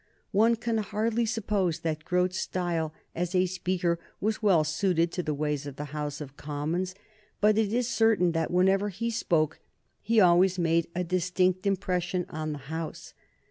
One can hardly suppose that Grote's style as a speaker was well suited to the ways of the House of Commons, but it is certain that whenever he spoke he always made a distinct impression on the House.